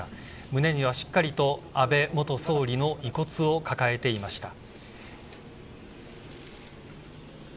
胸にはしっかりと安倍元総理の遺骨を抱えていました。